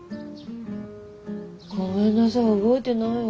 ごめんなさい覚えてないわ。